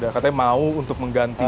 katanya mau untuk menggantinya